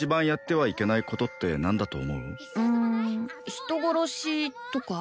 人殺しとか？